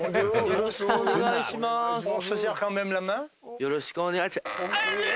よろしくお願いしま。